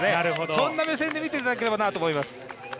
そんな目線で見ていただければなと思います。